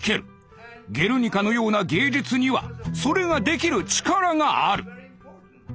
「ゲルニカ」のような芸術にはそれができる力がある。